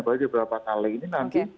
bagi beberapa kali ini nanti